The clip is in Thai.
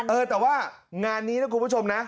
เออแต่ว่างานนี้นะคุณผู้ชมนะ